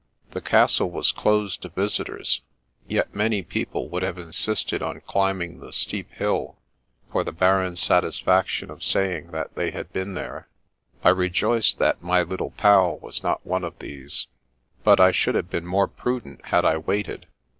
The castle was closed to visitors, yet many people would have insisted on climbing the steep hill for the barren satisfaction of saying that they had been there. I rejoiced that my little Pal was not one of these ; but I should have been more prudent had I waited.